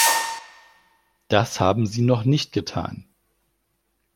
Das haben Sie noch nicht getan!